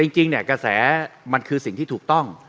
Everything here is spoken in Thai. จริงเนี่ยกระแสมันคือสิ่งที่ถูกต้อง